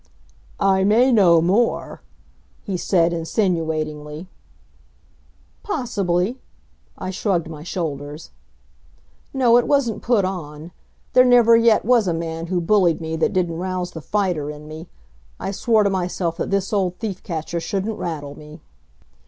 "I may know more," he said insinuatingly. "Possibly." I shrugged my shoulders. No, it wasn't put on. There never yet was a man who bullied me that didn't rouse the fighter in me. I swore to myself that this old thief catcher shouldn't rattle me.